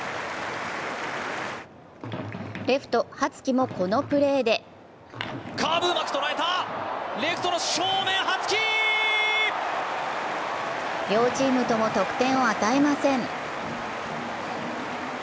レフト・羽月もこのプレーで両チームとも得点を与えません。